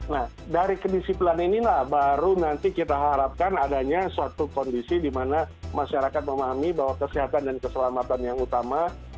nah dari kedisiplinan inilah baru nanti kita harapkan adanya suatu kondisi di mana masyarakat memahami bahwa kesehatan dan keselamatan yang utama